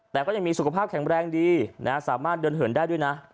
แต่ก็ยังมีสุขภาพแข็งแรงดีนะสามารถเดินเหินได้ด้วยนะ